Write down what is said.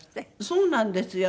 そうなんですよ。